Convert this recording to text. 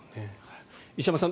石山さん